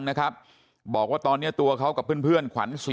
พวกมันกลับมาเมื่อเวลาที่สุดพวกมันกลับมาเมื่อเวลาที่สุด